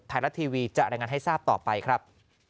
ไทยรัฐทีวีจะรายงานให้ทราบต่อไปครับ